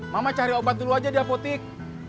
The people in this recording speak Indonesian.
mama cari obat dulu aja di apotik